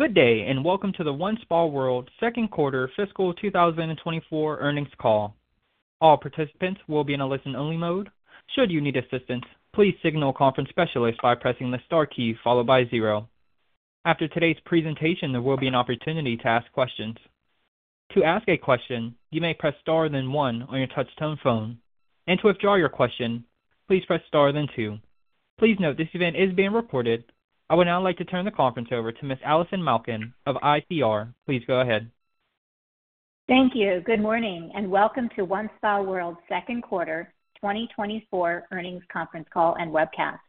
Good day, and welcome to the OneSpaWorld Second Quarter Fiscal 2024 Earnings Call. All participants will be in a listen-only mode. Should you need assistance, please signal a conference specialist by pressing the star key followed by zero. After today's presentation, there will be an opportunity to ask questions. To ask a question, you may press star, then one on your touchtone phone, and to withdraw your question, please press star, then two. Please note this event is being recorded. I would now like to turn the conference over to Ms. Allison Malkin of ICR. Please go ahead. Thank you. Good morning, and welcome to OneSpaWorld Second Quarter 2024 Earnings Conference Call and Webcast.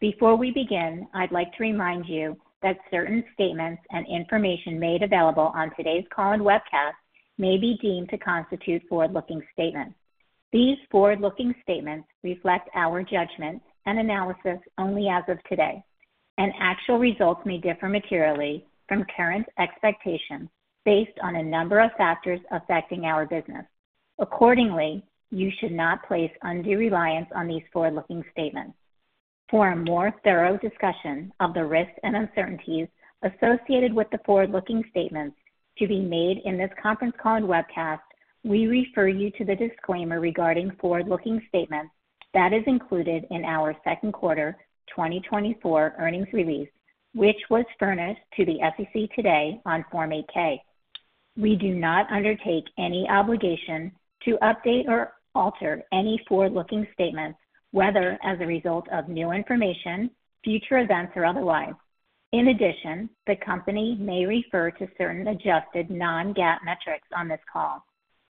Before we begin, I'd like to remind you that certain statements and information made available on today's call and webcast may be deemed to constitute forward-looking statements. These forward-looking statements reflect our judgment and analysis only as of today, and actual results may differ materially from current expectations based on a number of factors affecting our business. Accordingly, you should not place undue reliance on these forward-looking statements. For a more thorough discussion of the risks and uncertainties associated with the forward-looking statements to be made in this conference call and webcast, we refer you to the disclaimer regarding forward-looking statements that is included in our second quarter 2024 earnings release, which was furnished to the SEC today on Form 8-K. We do not undertake any obligation to update or alter any forward-looking statements, whether as a result of new information, future events, or otherwise. In addition, the company may refer to certain adjusted non-GAAP metrics on this call.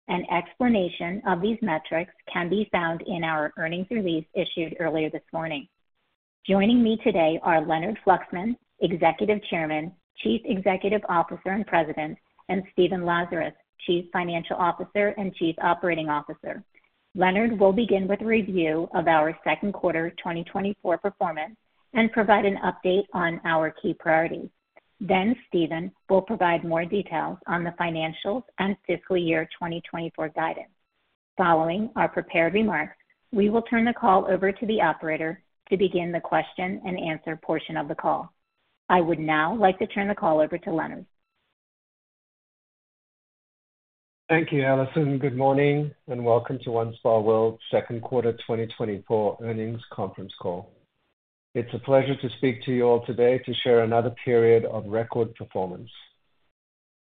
An explanation of these metrics can be found in our earnings release issued earlier this morning. Joining me today are Leonard Fluxman, Executive Chairman, Chief Executive Officer, and President, and Stephen Lazarus, Chief Financial Officer and Chief Operating Officer. Leonard will begin with a review of our second quarter 2024 performance and provide an update on our key priorities. Then Stephen will provide more details on the financials and fiscal year 2024 guidance. Following our prepared remarks, we will turn the call over to the operator to begin the question-and-answer portion of the call. I would now like to turn the call over to Leonard. Thank you, Allison. Good morning, and welcome to OneSpaWorld Second Quarter 2024 Earnings Conference Call. It's a pleasure to speak to you all today to share another period of record performance.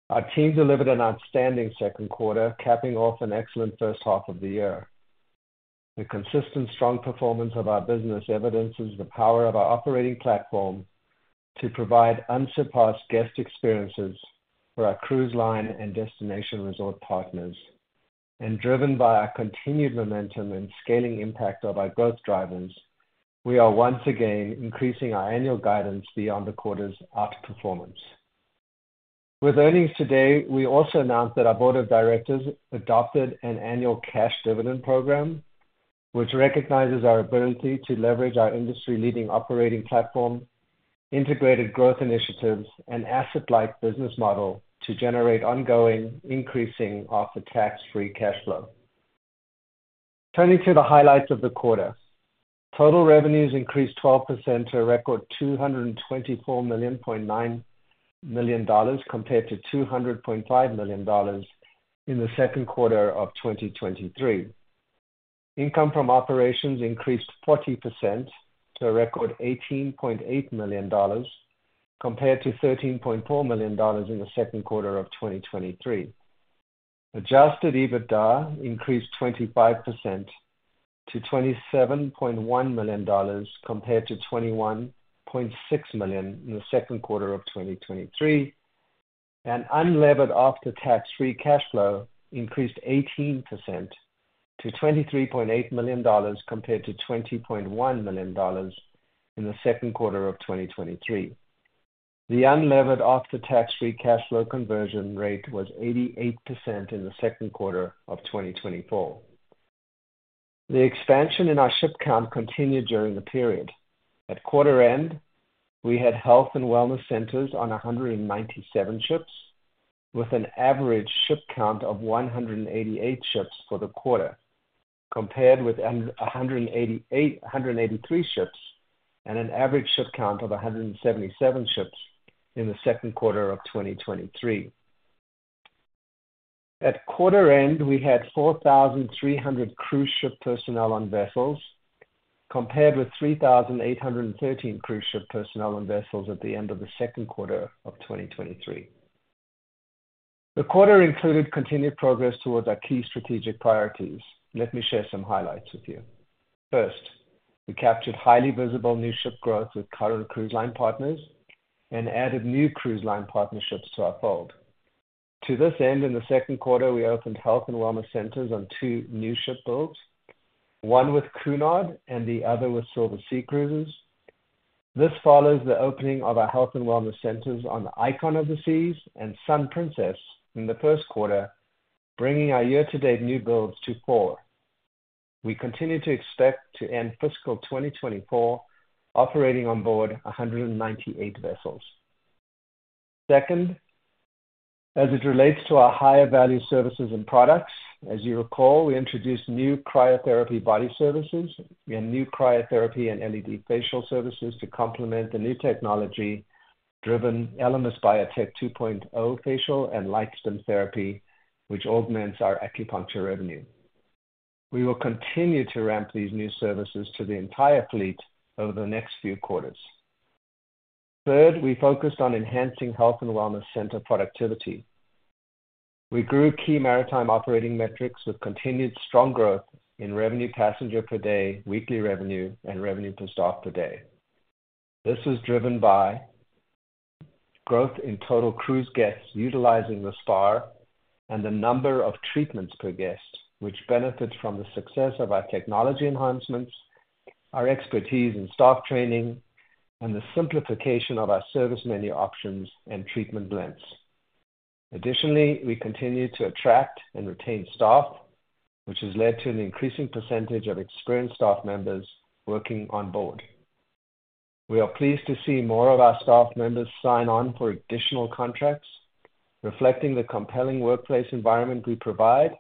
Our team delivered an outstanding second quarter, capping off an excellent first half of the year. The consistent, strong performance of our business evidences the power of our operating platform to provide unsurpassed guest experiences for our cruise line and destination resort partners. And driven by our continued momentum and scaling impact of our growth drivers, we are once again increasing our annual guidance beyond the quarter's outperformance. With earnings today, we also announced that our board of directors adopted an annual cash dividend program, which recognizes our ability to leverage our industry-leading operating platform, integrated growth initiatives, and asset-like business model to generate ongoing, increasing after-tax-free cash flow. Turning to the highlights of the quarter. Total revenues increased 12% to a record $224.9 million, compared to $200.5 million in the second quarter of 2023. Income from operations increased 40% to a record $18.8 million, compared to $13.4 million in the second quarter of 2023. Adjusted EBITDA increased 25% to $27.1 million, compared to $21.6 million in the second quarter of 2023. Unlevered After-Tax Free Cash Flow increased 18% to $23.8 million, compared to $20.1 million in the second quarter of 2023. The Unlevered After-Tax Free Cash Flow conversion rate was 88% in the second quarter of 2024. The expansion in our ship count continued during the period. At quarter end, we had health and wellness centers on 197 ships, with an average ship count of 188 ships for the quarter, compared with a 183 ships and an average ship count of 177 ships in the second quarter of 2023. At quarter end, we had 4,300 cruise ship personnel on vessels, compared with 3,813 cruise ship personnel on vessels at the end of the second quarter of 2023. The quarter included continued progress towards our key strategic priorities. Let me share some highlights with you. First, we captured highly visible new ship growth with current cruise line partners and added new cruise line partnerships to our fold. To this end, in the second quarter, we opened health and wellness centers on two new ship builds, one with Cunard and the other with Silversea Cruises. This follows the opening of our health and wellness centers on the Icon of the Seas and Sun Princess in the first quarter, bringing our year-to-date new builds to four. We continue to expect to end fiscal 2024 operating on board 198 vessels. Second. As it relates to our higher value services and products, as you recall, we introduced new cryotherapy body services and new cryotherapy and LED facial services to complement the new technology-driven Elemis BIOTEC 2.0 facial and LightStim therapy, which augments our acupuncture revenue. We will continue to ramp these new services to the entire fleet over the next few quarters. Third, we focused on enhancing health and wellness center productivity. We grew key maritime operating metrics with continued strong growth in Revenue Per Passenger Per Day, Weekly Revenue, and Revenue Per Staff Per Day. This was driven by growth in total cruise guests utilizing the spa and the number of treatments per guest, which benefit from the success of our technology enhancements, our expertise in staff training, and the simplification of our service menu options and treatment blends. Additionally, we continue to attract and retain staff, which has led to an increasing percentage of experienced staff members working on board. We are pleased to see more of our staff members sign on for additional contracts, reflecting the compelling workplace environment we provide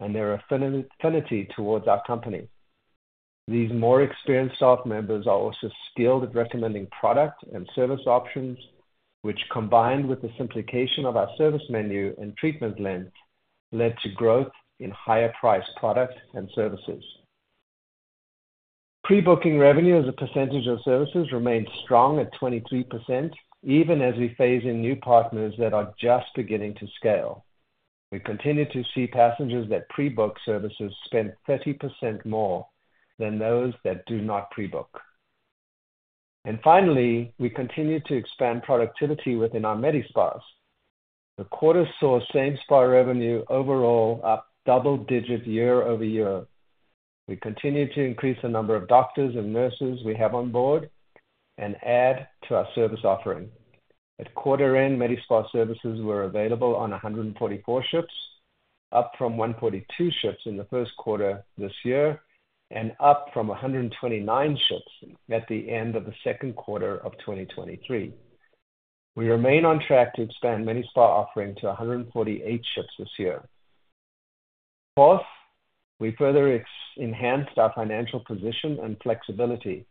and their affinity towards our company. These more experienced staff members are also skilled at recommending product and service options, which, combined with the simplification of our service menu and treatment blend, led to growth in higher priced products and services. Pre-booking revenue as a percentage of services remained strong at 23%, even as we phase in new partners that are just beginning to scale. We continue to see passengers that pre-book services spend 30% more than those that do not pre-book. Finally, we continue to expand productivity within our Medi Spa. The quarter saw same spa revenue overall up double-digit year-over-year. We continue to increase the number of doctors and nurses we have on board and add to our service offering. At quarter end, Medi Spa services were available on 144 ships, up from 142 ships in the first quarter this year, and up from 129 ships at the end of the second quarter of 2023. We remain on track to expand Medi Spa offering to 148 ships this year. Fourth, we further enhanced our financial position and flexibility.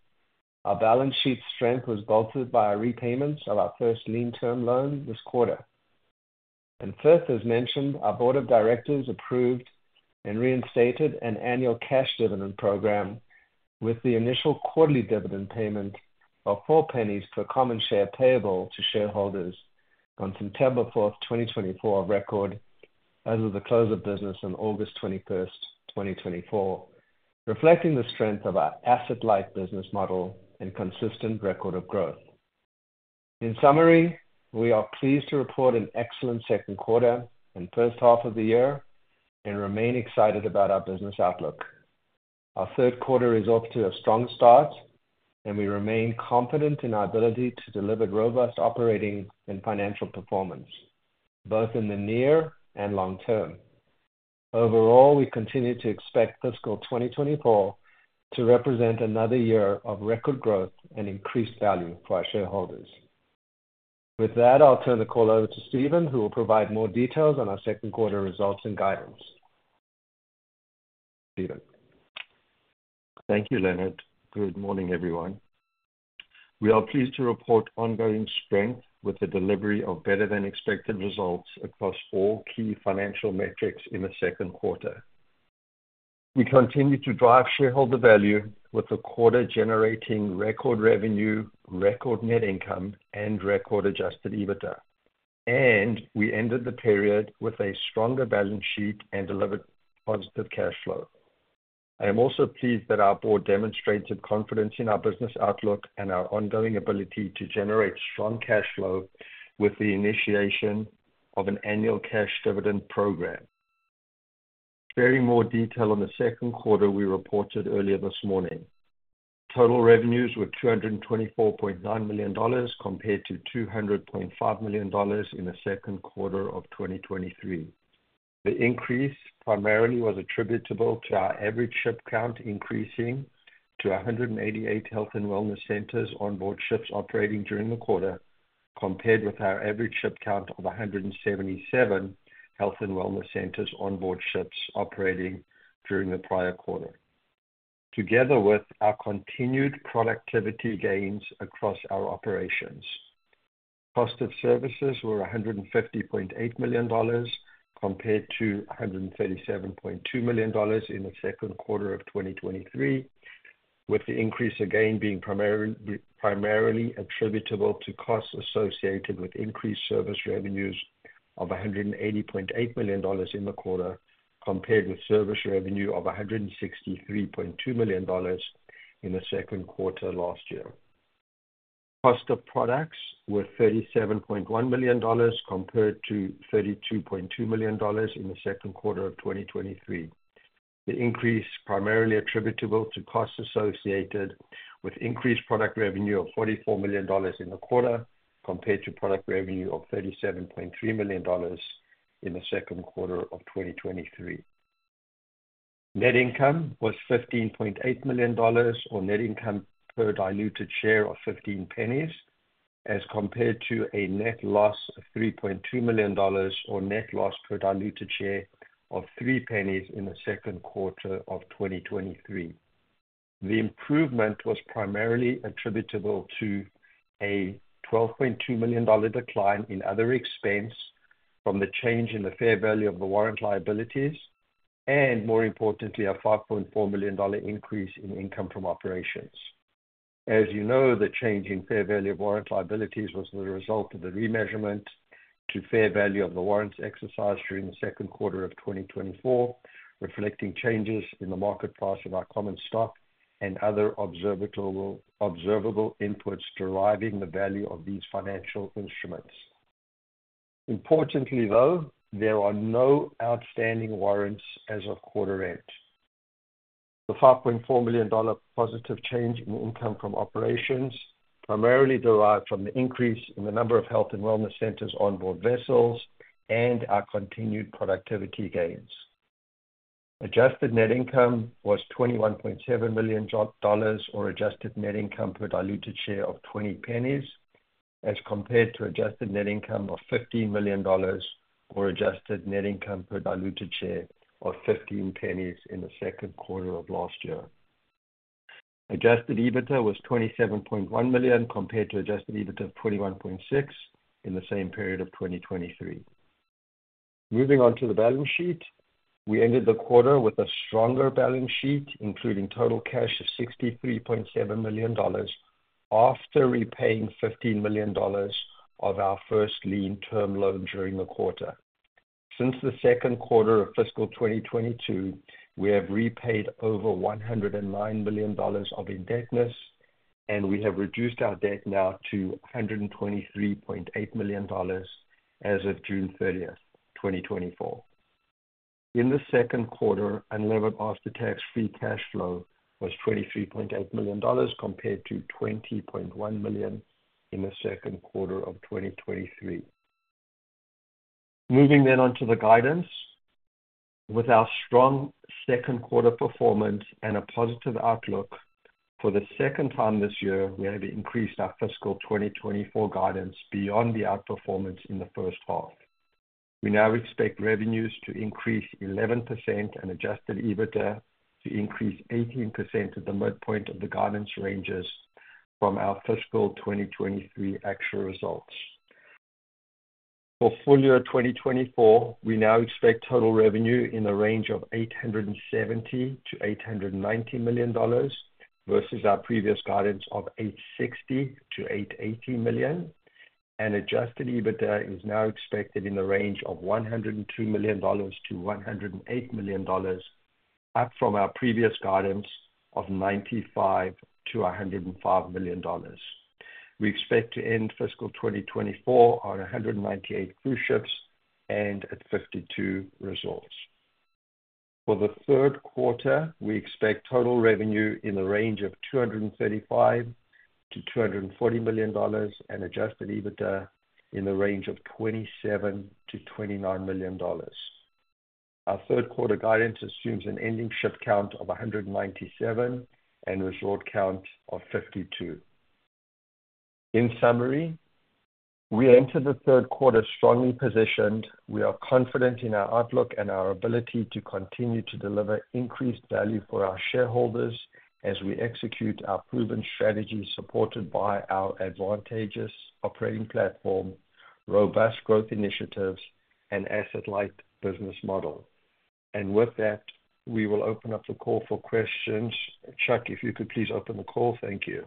Our balance sheet strength was bolstered by our repayments of our first lien term loan this quarter. First, as mentioned, our board of directors approved and reinstated an annual cash dividend program with the initial quarterly dividend payment of $0.04 per common share payable to shareholders on September 4th, 2024, of record, as of the close of business on August 21st, 2024, reflecting the strength of our asset-light business model and consistent record of growth. In summary, we are pleased to report an excellent second quarter and first half of the year and remain excited about our business outlook. Our third quarter is off to a strong start, and we remain confident in our ability to deliver robust operating and financial performance, both in the near and long term. Overall, we continue to expect fiscal 2024 to represent another year of record growth and increased value for our shareholders. With that, I'll turn the call over to Stephen, who will provide more details on our second quarter results and guidance. Stephen? Thank you, Leonard. Good morning, everyone. We are pleased to report ongoing strength with the delivery of better-than-expected results across all key financial metrics in the second quarter. We continue to drive shareholder value with the quarter, generating record revenue, record net income, and record Adjusted EBITDA. We ended the period with a stronger balance sheet and delivered positive cash flow. I am also pleased that our board demonstrated confidence in our business outlook and our ongoing ability to generate strong cash flow with the initiation of an annual cash dividend program. Sharing more detail on the second quarter we reported earlier this morning. Total revenues were $224.9 million, compared to $200.5 million in the second quarter of 2023. The increase primarily was attributable to our average ship count, increasing to 188 health and wellness centers on board ships operating during the quarter, compared with our average ship count of 177 health and wellness centers on board ships operating during the prior quarter, together with our continued productivity gains across our operations. Cost of services were $150.8 million, compared to $137.2 million in the second quarter of 2023, with the increase again being primarily attributable to costs associated with increased service revenues of $180.8 million in the quarter, compared with service revenue of $163.2 million in the second quarter last year. Cost of products were $37.1 million, compared to $32.2 million in the second quarter of 2023. The increase primarily attributable to costs associated with increased product revenue of $44 million in the quarter, compared to product revenue of $37.3 million in the second quarter of 2023. Net income was $15.8 million, or net income per diluted share of $0.15, as compared to a net loss of $3.2 million, or net loss per diluted share of $0.03 in the second quarter of 2023. The improvement was primarily attributable to a $12.2 million decline in other expense from the change in the fair value of the warrant liabilities, and more importantly, a $5.4 million increase in income from operations. As you know, the change in fair value of warrant liabilities was the result of the remeasurement to fair value of the warrants exercised during the second quarter of 2024, reflecting changes in the market price of our common stock and other observable inputs deriving the value of these financial instruments. Importantly, though, there are no outstanding warrants as of quarter end. The $5.4 million positive change in income from operations primarily derived from the increase in the number of health and wellness centers on board vessels and our continued productivity gains. Adjusted net income was $21.7 million, or adjusted net income per diluted share of $0.20, as compared to adjusted net income of $15 million or adjusted net income per diluted share of $0.15 in the second quarter of last year. Adjusted EBITDA was $27.1 million, compared to Adjusted EBITDA of $21.6 million in the same period of 2023. Moving on to the balance sheet. We ended the quarter with a stronger balance sheet, including total cash of $63.7 million, after repaying $15 million of our first lien term loan during the quarter. Since the second quarter of fiscal 2022, we have repaid over $109 million of indebtedness, and we have reduced our debt now to $123.8 million as of June 30th, 2024. In the second quarter, unlevered after-tax free cash flow was $23.8 million, compared to $20.1 million in the second quarter of 2023. Moving then on to the guidance. With our strong second quarter performance and a positive outlook for the second time this year, we have increased our fiscal 2024 guidance beyond the outperformance in the first half. We now expect revenues to increase 11% and Adjusted EBITDA to increase 18% at the midpoint of the guidance ranges from our fiscal 2023 actual results. For full year 2024, we now expect total revenue in the range of $870 million-$890 million versus our previous guidance of $860 million-$880 million. And Adjusted EBITDA is now expected in the range of $102 million-$108 million, up from our previous guidance of $95 million-$105 million. We expect to end fiscal 2024 on 198 cruise ships and at 52 resorts. For the third quarter, we expect total revenue in the range of $235 million-$240 million and Adjusted EBITDA in the range of $27 million-$29 million. Our third quarter guidance assumes an ending ship count of 197 and resort count of 52. In summary, we entered the third quarter strongly positioned. We are confident in our outlook and our ability to continue to deliver increased value for our shareholders as we execute our proven strategy, supported by our advantageous operating platform, robust growth initiatives and asset-light business model. And with that, we will open up the call for questions. Chuck, if you could please open the call. Thank you.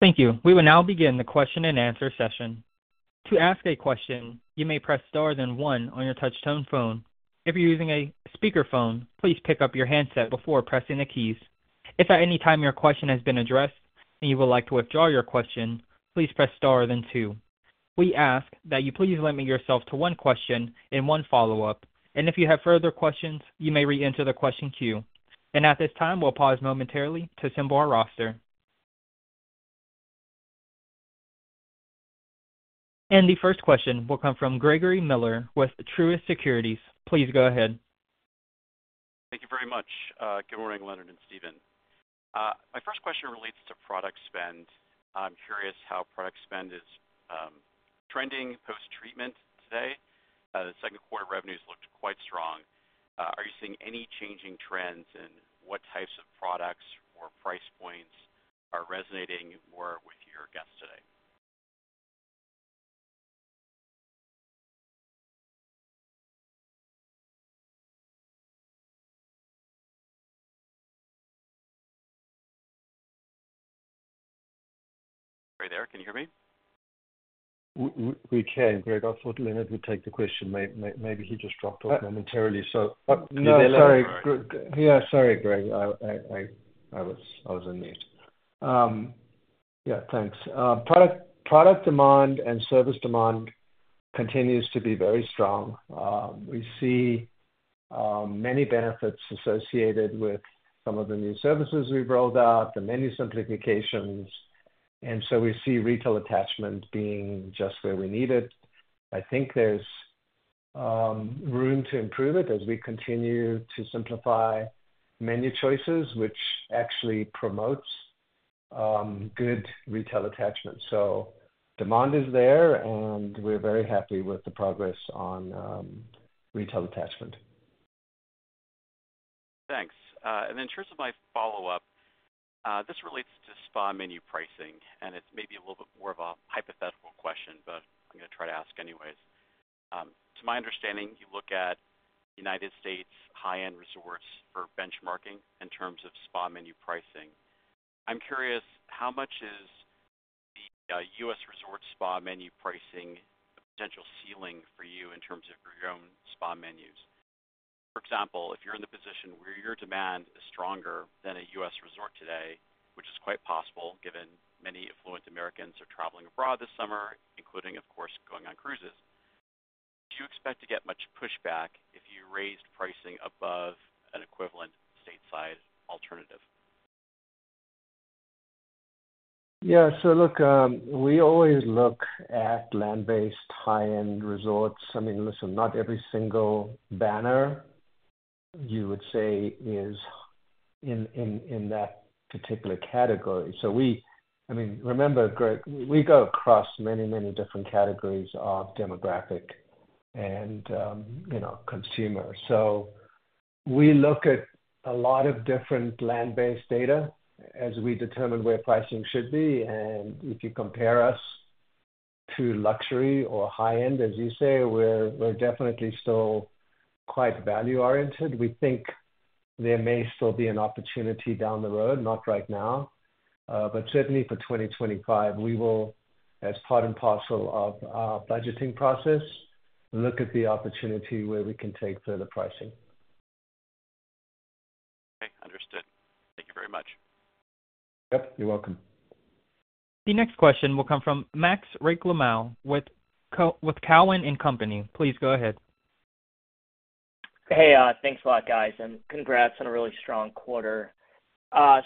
Thank you. We will now begin the question-and-answer session. To ask a question, you may press star then one on your touchtone phone. If you're using a speakerphone, please pick up your handset before pressing the keys. If at any time your question has been addressed and you would like to withdraw your question, please press star then two. We ask that you please limit yourself to one question and one follow-up, and if you have further questions, you may reenter the question queue. At this time, we'll pause momentarily to assemble our roster. The first question will come from Gregory Miller with Truist Securities. Please go ahead. Thank you very much. Good morning, Leonard and Stephen. My first question relates to product spend. I'm curious how product spend is trending post-treatment today. The second quarter revenues looked quite strong. Are you seeing any changing trends in what types of products or price points are resonating more with your guests today? Are you there? Can you hear me? We can, Greg. I thought Leonard would take the question. Maybe he just dropped off momentarily, so- No, sorry. Yeah, sorry, Greg. I was on mute. Yeah, thanks. Product demand and service demand continues to be very strong. We see many benefits associated with some of the new services we've rolled out, the menu simplifications. ... And so we see retail attachment being just where we need it. I think there's room to improve it as we continue to simplify menu choices, which actually promotes good retail attachment. So demand is there, and we're very happy with the progress on retail attachment. Thanks. And in terms of my follow-up, this relates to spa menu pricing, and it's maybe a little bit more of a hypothetical question, but I'm gonna try to ask anyways. To my understanding, you look at United States high-end resorts for benchmarking in terms of spa menu pricing. I'm curious, how much is the U.S. resort spa menu pricing a potential ceiling for you in terms of your own spa menus? For example, if you're in the position where your demand is stronger than a U.S. resort today, which is quite possible, given many affluent Americans are traveling abroad this summer, including, of course, going on cruises, do you expect to get much pushback if you raised pricing above an equivalent stateside alternative? Yeah. So look, we always look at land-based high-end resorts. I mean, listen, not every single banner you would say is in, in, in that particular category. So we—I mean, remember, Greg, we go across many, many different categories of demographic and, you know, consumer. So we look at a lot of different land-based data as we determine where pricing should be. And if you compare us to luxury or high end, as you say, we're, we're definitely still quite value-oriented. We think there may still be an opportunity down the road, not right now, but certainly for 2025, we will, as part and parcel of our budgeting process, look at the opportunity where we can take further pricing. Okay, understood. Thank you very much. Yep, you're welcome. The next question will come from Max Rakhlenko with Cowen and Company. Please go ahead. Hey, thanks a lot, guys, and congrats on a really strong quarter.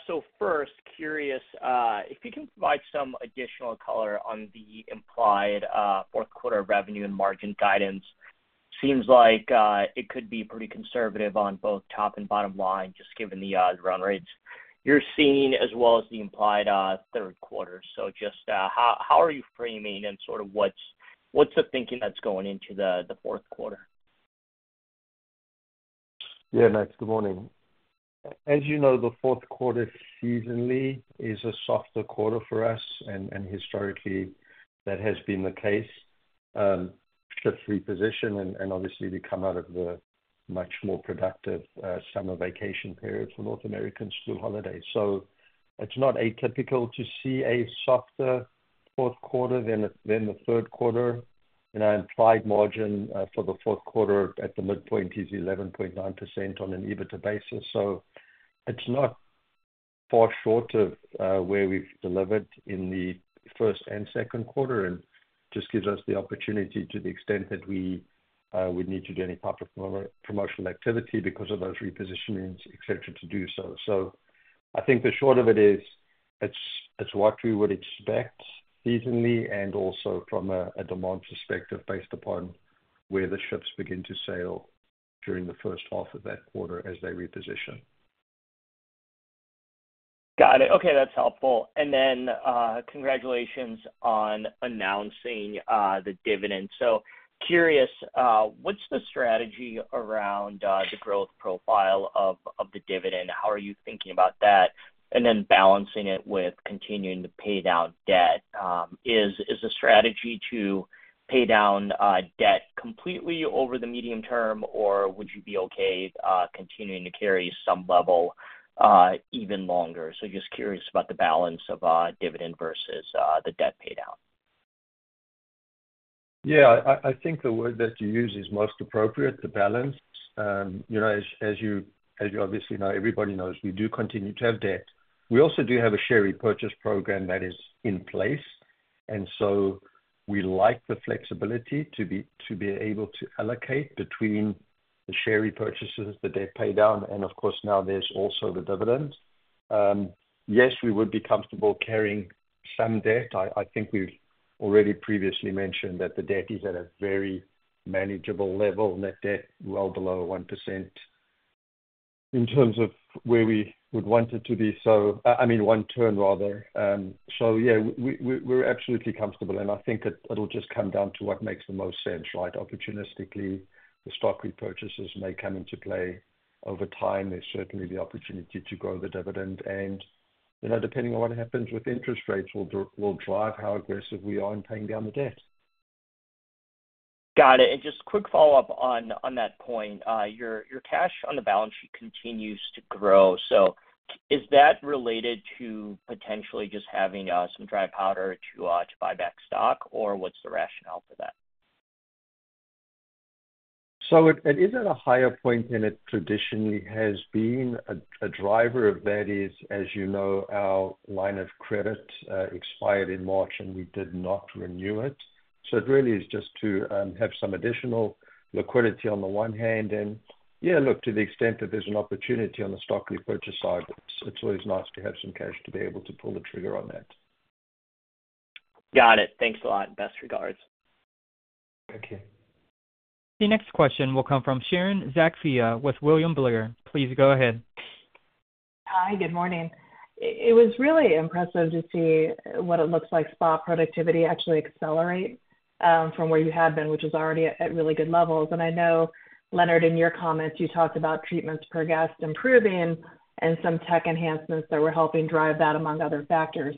So first, curious, if you can provide some additional color on the implied fourth quarter revenue and margin guidance. Seems like it could be pretty conservative on both top and bottom line, just given the run rates you're seeing, as well as the implied third quarter. So just how are you framing, and sort of what's the thinking that's going into the fourth quarter? Yeah, Max, good morning. As you know, the fourth quarter seasonally is a softer quarter for us, and historically, that has been the case, for reposition and obviously, we come out of the much more productive summer vacation period for North American school holidays. So it's not atypical to see a softer fourth quarter than the third quarter. You know, implied margin for the fourth quarter at the midpoint is 11.9% on an EBITDA basis. So it's not far short of where we've delivered in the first and second quarter, and just gives us the opportunity to the extent that we would need to do any type of promotional activity because of those repositionings, et cetera, to do so. So I think the short of it is, it's what we would expect seasonally and also from a demand perspective, based upon where the ships begin to sail during the first half of that quarter as they reposition. Got it. Okay, that's helpful. And then, congratulations on announcing the dividend. So curious, what's the strategy around the growth profile of the dividend? How are you thinking about that, and then balancing it with continuing to pay down debt? Is the strategy to pay down debt completely over the medium term, or would you be okay continuing to carry some level even longer? So just curious about the balance of dividend versus the debt paydown. Yeah, I think the word that you used is most appropriate, the balance. You know, as you obviously know, everybody knows, we do continue to have debt. We also do have a share repurchase program that is in place, and so we like the flexibility to be able to allocate between the share repurchases, the debt paydown, and of course, now there's also the dividend. Yes, we would be comfortable carrying some debt. I think we've already previously mentioned that the debt is at a very manageable level, net debt well below 1% in terms of where we would want it to be. So, I mean, one turn, rather. So yeah, we're absolutely comfortable, and I think it'll just come down to what makes the most sense, right? Opportunistically, the stock repurchases may come into play over time. There's certainly the opportunity to grow the dividend, and, you know, depending on what happens with interest rates, will drive how aggressive we are in paying down the debt. Got it. Just quick follow-up on that point. Your cash on the balance sheet continues to grow. Is that related to potentially just having some dry powder to buy back stock, or what's the rationale for that? So it is at a higher point than it traditionally has been. A driver of that is, as you know, our line of credit expired in March, and we did not renew it. So it really is just to have some additional liquidity on the one hand, and yeah, look, to the extent that there's an opportunity on the stock repurchase side, it's always nice to have some cash to be able to pull the trigger on that.... Got it. Thanks a lot, and best regards. Thank you. The next question will come from Sharon Zackfia with William Blair. Please go ahead. Hi, good morning. It was really impressive to see what it looks like spa productivity actually accelerate from where you had been, which was already at really good levels. And I know, Leonard, in your comments, you talked about treatments per guest improving and some tech enhancements that were helping drive that, among other factors.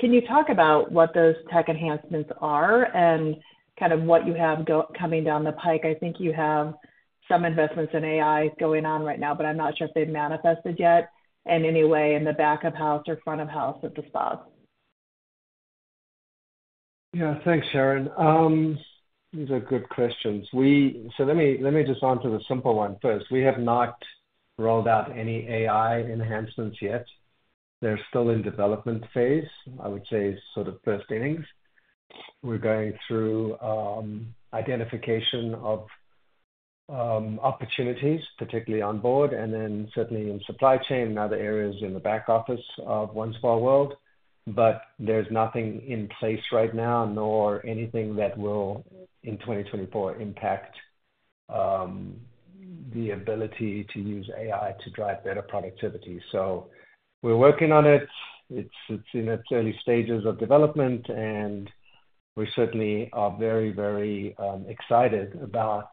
Can you talk about what those tech enhancements are and kind of what you have coming down the pike? I think you have some investments in AI going on right now, but I'm not sure if they've manifested yet in any way in the back of house or front of house at the spa. Yeah, thanks, Sharon. These are good questions. We— So let me just answer the simple one first. We have not rolled out any AI enhancements yet. They're still in development phase. I would say sort of first innings. We're going through identification of opportunities, particularly on board, and then certainly in supply chain and other areas in the back office of OneSpaWorld. But there's nothing in place right now, nor anything that will, in 2024, impact the ability to use AI to drive better productivity. So we're working on it. It's in its early stages of development, and we certainly are very, very excited about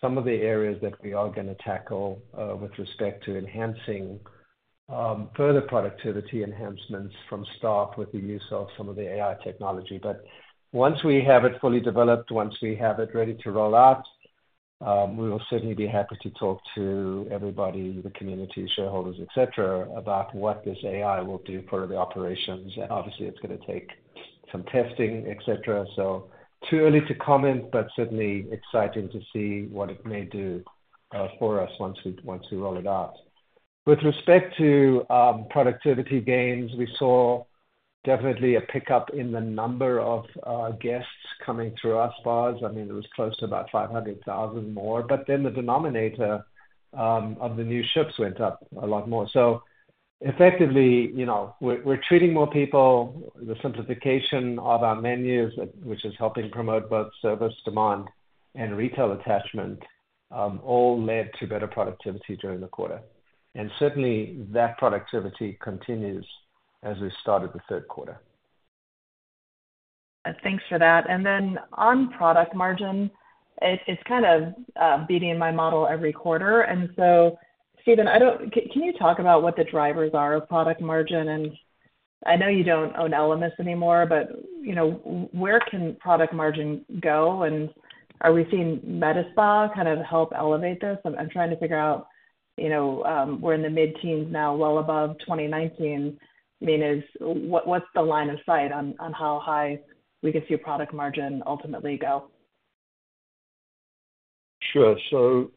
some of the areas that we are gonna tackle with respect to enhancing further productivity enhancements from staff with the use of some of the AI technology. But once we have it fully developed, once we have it ready to roll out, we will certainly be happy to talk to everybody, the community, shareholders, et cetera, about what this AI will do for the operations. Obviously, it's gonna take some testing, et cetera. So too early to comment, but certainly exciting to see what it may do, for us once we, once we roll it out. With respect to productivity gains, we saw definitely a pickup in the number of guests coming through our spas. I mean, it was close to about 500,000 more. But then the denominator of the new ships went up a lot more. So effectively, you know, we're, we're treating more people. The simplification of our menus, which is helping promote both service, demand, and retail attachment, all led to better productivity during the quarter. Certainly, that productivity continues as we started the third quarter. Thanks for that. Then on product margin, it's kind of beating my model every quarter. So, Stephen, can you talk about what the drivers are of product margin? I know you don't own Elemis anymore, but you know, where can product margin go, and are we seeing Medi Spa kind of help elevate this? I'm trying to figure out, you know, we're in the mid-teens now, well above 2019. I mean, what's the line of sight on how high we could see product margin ultimately go? Sure. So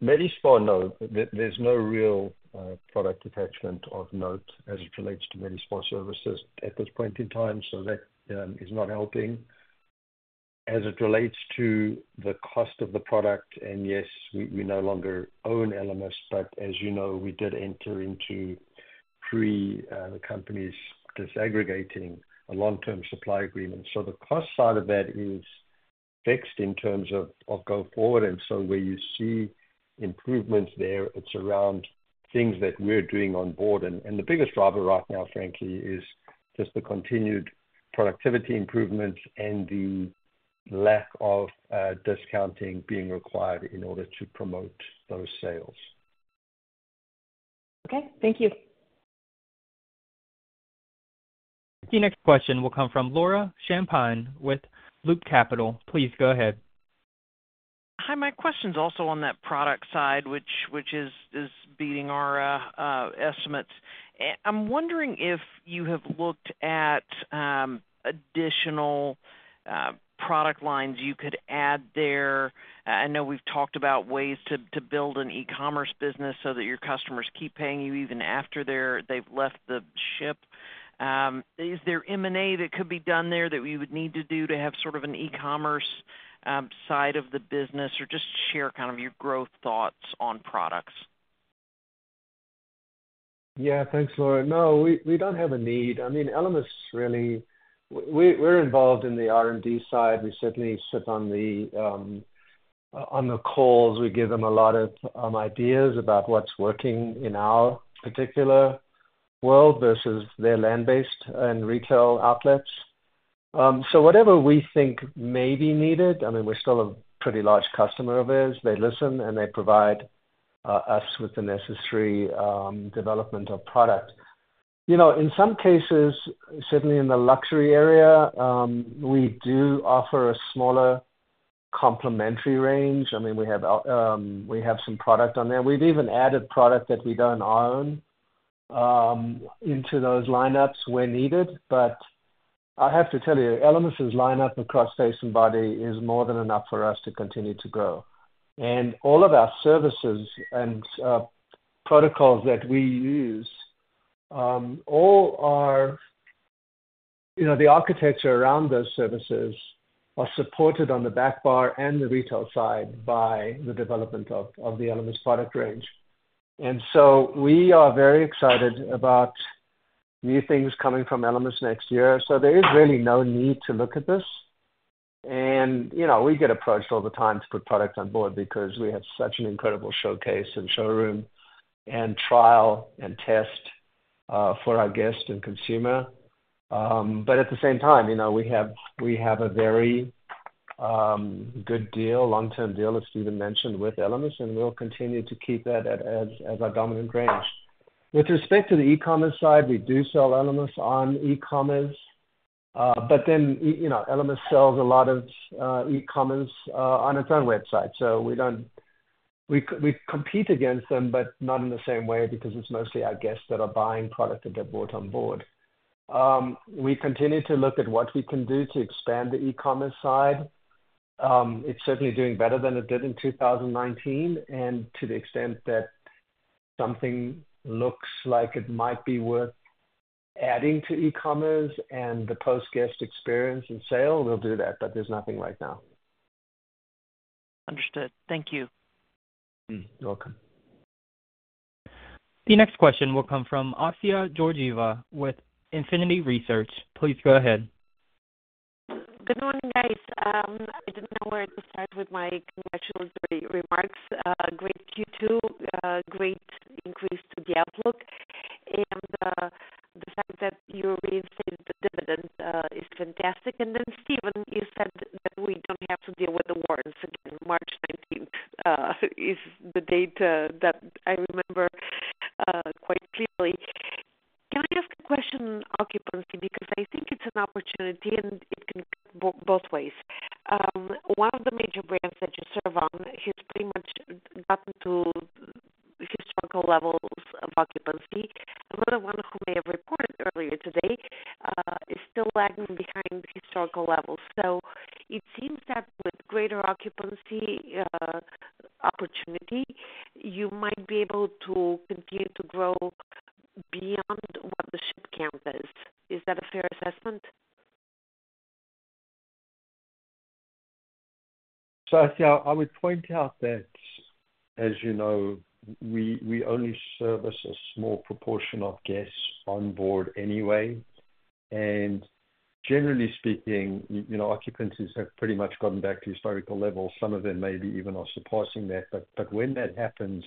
Medi Spa, no. There's no real product attachment of note as it relates to Medi Spa services at this point in time, so that is not helping. As it relates to the cost of the product, and yes, we no longer own Elemis, but as you know, we did enter into pre the company's disaggregating a long-term supply agreement. So the cost side of that is fixed in terms of going forward, and so where you see improvements there, it's around things that we're doing on board. And the biggest driver right now, frankly, is just the continued productivity improvements and the lack of discounting being required in order to promote those sales. Okay, thank you. The next question will come from Laura Champine with Loop Capital. Please go ahead. Hi, my question's also on that product side, which is beating our estimates. I'm wondering if you have looked at additional product lines you could add there. I know we've talked about ways to build an e-commerce business so that your customers keep paying you even after they've left the ship. Is there M&A that could be done there that we would need to do to have sort of an e-commerce side of the business, or just share kind of your growth thoughts on products? Yeah. Thanks, Laura. No, we don't have a need. I mean, Elemis really... We, we're involved in the R&D side. We certainly sit on the, on the calls. We give them a lot of, ideas about what's working in our particular world versus their land-based and retail outlets. So whatever we think may be needed, I mean, we're still a pretty large customer of theirs. They listen, and they provide, us with the necessary, development of product. You know, in some cases, certainly in the luxury area, we do offer a smaller complimentary range. I mean, we have, we have some product on there. We've even added product that we don't own, into those lineups where needed. But I have to tell you, Elemis' lineup across face and body is more than enough for us to continue to grow. All of our services and protocols that we use, all are. You know, the architecture around those services are supported on the back bar and the retail side by the development of the Elemis product range. And so we are very excited about new things coming from Elemis next year. So there is really no need to look at this. And, you know, we get approached all the time to put products on board because we have such an incredible showcase and showroom and trial and test for our guests and consumer. But at the same time, you know, we have a very good deal, long-term deal, as Stephen mentioned, with Elemis, and we'll continue to keep that as our dominant range. With respect to the e-commerce side, we do sell Elemis on e-commerce, but then, you know, Elemis sells a lot of e-commerce on its own website. So we don't. We compete against them, but not in the same way, because it's mostly our guests that are buying product that they bought on board. We continue to look at what we can do to expand the e-commerce side. It's certainly doing better than it did in 2019, and to the extent that something looks like it might be worth adding to e-commerce and the post-guest experience and sale, we'll do that, but there's nothing right now. Understood. Thank you. Mm. You're welcome. The next question will come from Assia Georgieva with Infinity Research. Please go ahead. Good morning, guys. I didn't know where to start with my congratulatory remarks. Great Q2, great increase to the outlook, and, the fact that you reinstated the dividend, is fantastic. Then, Stephen, you said that we don't have to deal with the warrants again. March 19th is the date that I remember quite clearly. Can I ask a question on occupancy? Because I think it's an opportunity, and it can go both ways. One of the major brands that you serve on has pretty much gotten to historical levels of occupancy. Another one, who may have reported earlier today, is still lagging behind historical levels. So it seems that with greater occupancy, opportunity, you might be able to continue to grow beyond what the ship count is. Is that a fair assessment? So Assia, I would point out that, as you know, we only service a small proportion of guests on board anyway. And generally speaking, you know, occupancies have pretty much gotten back to historical levels. Some of them maybe even are surpassing that. But when that happens,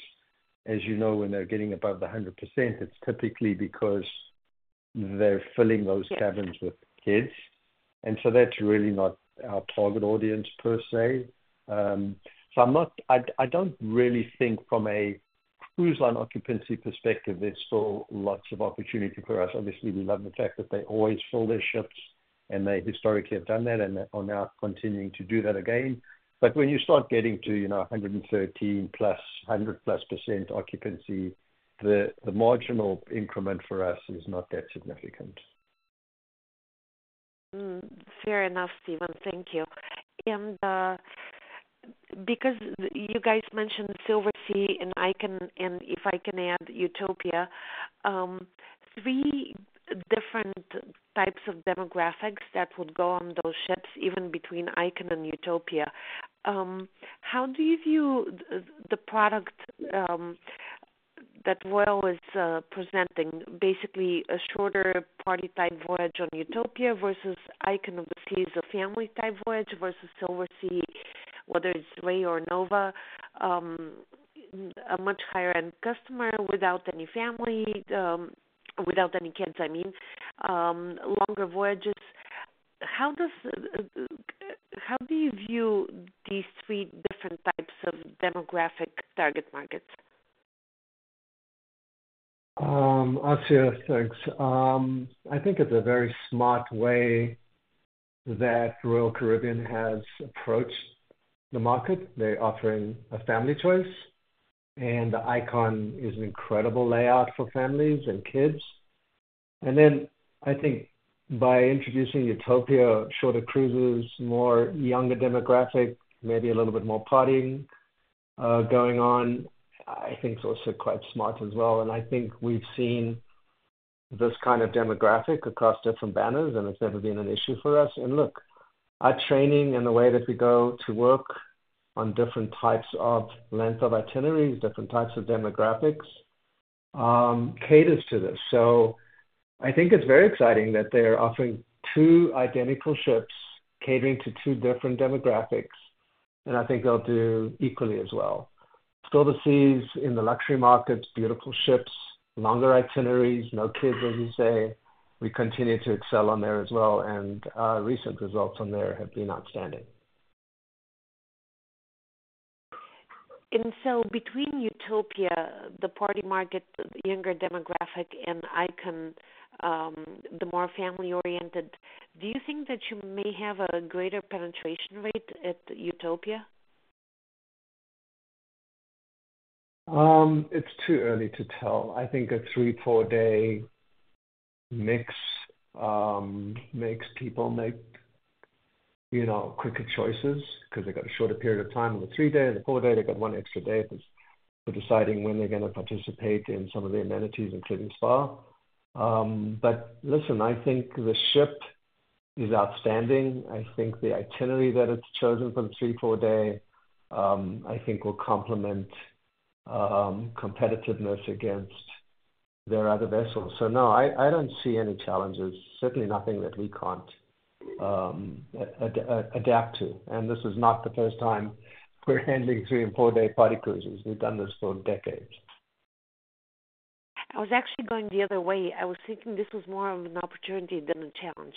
as you know, when they're getting above the 100%, it's typically because they're filling those cabins with kids. And so that's really not our target audience per se. So I'm not, I don't really think from a cruise line occupancy perspective, there's still lots of opportunity for us. Obviously, we love the fact that they always fill their ships, and they historically have done that, and they are now continuing to do that again. But when you start getting to, you know, 113+, 100%+ occupancy, the marginal increment for us is not that significant. Fair enough, Stephen. Thank you. And because you guys mentioned Silversea and if I can add Utopia, three different types of demographics that would go on those ships, even between Icon and Utopia. How do you view the product that Royal is presenting, basically a shorter party type voyage on Utopia versus Icon, which is a family type voyage, versus Silversea, whether it's Ray or Nova, a much higher-end customer without any family, without any kids, I mean, longer voyages. How do you view these three different types of demographic target markets? Asya, thanks. I think it's a very smart way that Royal Caribbean has approached the market. They're offering a family choice, and Icon is an incredible layout for families and kids. And then I think by introducing Utopia, shorter cruises, more younger demographic, maybe a little bit more partying, going on, I think it's also quite smart as well. And I think we've seen this kind of demographic across different banners, and it's never been an issue for us. And look, our training and the way that we go to work on different types of length of itineraries, different types of demographics, caters to this. So I think it's very exciting that they're offering two identical ships catering to two different demographics, and I think they'll do equally as well. Silversea's in the luxury markets, beautiful ships, longer itineraries, no kids, as you say. We continue to excel on there as well, and recent results on there have been outstanding. Between Utopia, the party market, the younger demographic, and Icon, the more family-oriented, do you think that you may have a greater penetration rate at Utopia? It's too early to tell. I think a three, four-day mix makes people make, you know, quicker choices because they've got a shorter period of time. On the three day and the four day, they've got one extra day for deciding when they're going to participate in some of the amenities, including spa. But listen, I think the ship is outstanding. I think the itinerary that it's chosen from three, four-day I think will complement competitiveness against their other vessels. So no, I don't see any challenges, certainly nothing that we can't adapt to. And this is not the first time we're handling three and four-day party cruises. We've done this for decades. I was actually going the other way. I was thinking this was more of an opportunity than a challenge.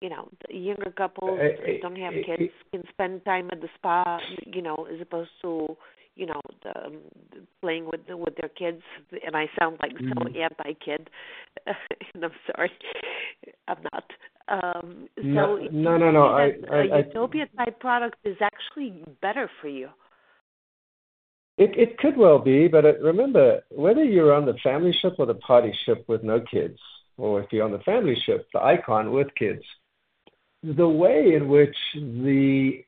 You know, the younger couples who don't have kids can spend time at the spa, you know, as opposed to, you know, the playing with their kids. And I sound like so anti-kid, and I'm sorry, I'm not. So- No, no, no. The Utopia product is actually better for you. It could well be, but remember, whether you're on the family ship or the party ship with no kids, or if you're on the family ship, the Icon with kids, the way in which the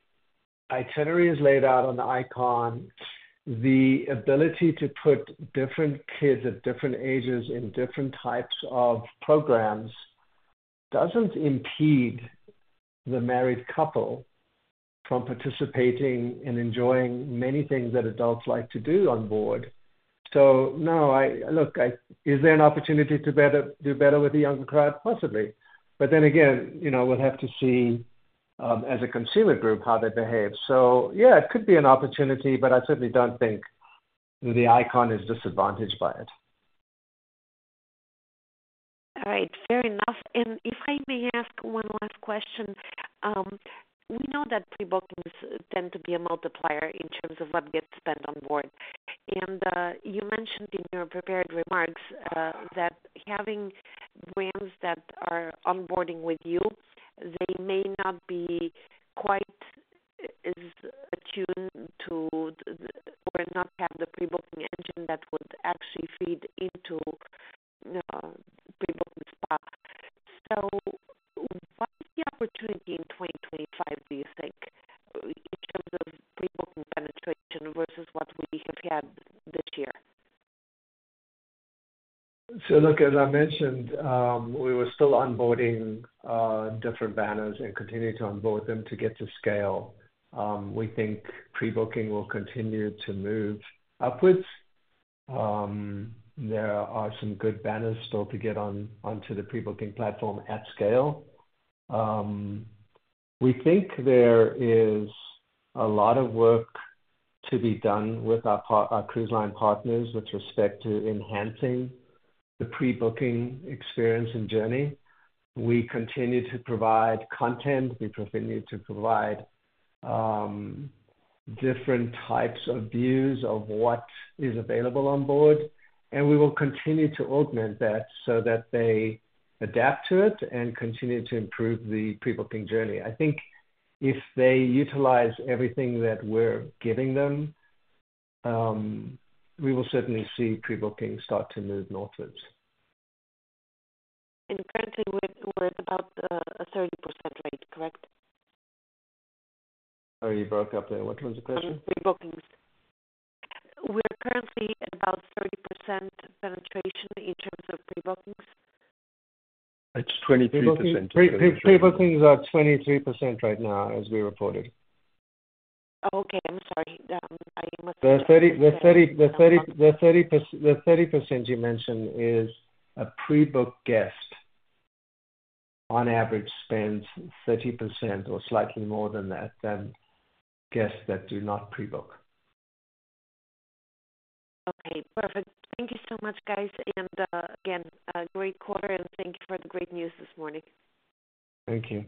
itinerary is laid out on the Icon, the ability to put different kids at different ages in different types of programs, doesn't impede the married couple from participating and enjoying many things that adults like to do on board. So no. Look, is there an opportunity to better do better with the younger crowd? Possibly. But then again, you know, we'll have to see as a consumer group how they behave. So yeah, it could be an opportunity, but I certainly don't think the Icon is disadvantaged by it. All right. Fair enough. And if I may ask one last question. We know that pre-bookings tend to be a multiplier in terms of what gets spent on board. And you mentioned in your prepared remarks that having brands that are onboarding with you, they may not be quite as attuned to, or not have the pre-booking engine that would actually feed into pre-booking spa. So what is the opportunity in 2025, do you think, in terms of pre-booking penetration versus what we have had this year? So look, as I mentioned, we were still onboarding different banners and continuing to onboard them to get to scale. We think pre-booking will continue to move upwards. There are some good banners still to get onto the pre-booking platform at scale. We think there is a lot of work to be done with our cruise line partners with respect to enhancing the pre-booking experience and journey. We continue to provide content, we continue to provide different types of views of what is available on board, and we will continue to augment that so that they adapt to it and continue to improve the pre-booking journey. I think if they utilize everything that we're giving them, we will certainly see pre-booking start to move northwards. Currently, we're at about a 30% rate, correct? Oh, you broke up there. What was the question? Pre-bookings. We're currently at about 30% penetration in terms of pre-bookings. It's 23%. Pre-bookings are 23% right now, as we reported. Okay. I'm sorry. I must- The 30% you mentioned is a pre-booked guest, on average, spends 30% or slightly more than that, than guests that do not pre-book. Okay, perfect. Thank you so much, guys. Again, a great quarter, and thank you for the great news this morning. Thank you.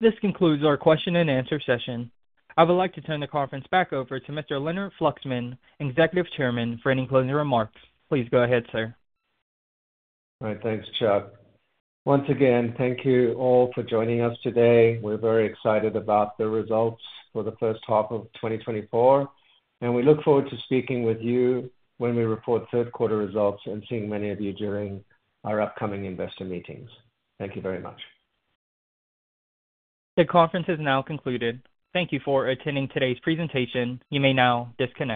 This concludes our question-and-answer session. I would like to turn the conference back over to Mr. Leonard Fluxman, Executive Chairman, for any closing remarks. Please go ahead, sir. All right. Thanks, Chuck. Once again, thank you all for joining us today. We're very excited about the results for the first half of 2024, and we look forward to speaking with you when we report third quarter results and seeing many of you during our upcoming investor meetings. Thank you very much. The conference is now concluded. Thank you for attending today's presentation. You may now disconnect.